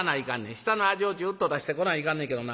下の味をジューッと出してこないかんねんけどな。